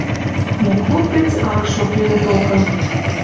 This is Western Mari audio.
Но клуб гӹц ак шо кемӹ токы